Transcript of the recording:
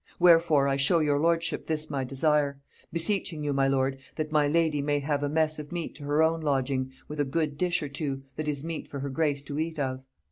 Wherefore I show your lordship this my desire. Beseeching you, my lord, that my lady may have a mess of meat to her own lodging, with a good dish or two, that is meet for her grace to eat of.